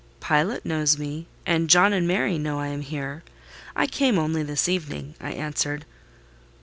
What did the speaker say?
"Pilot knows me, and John and Mary know I am here. I came only this evening," I answered.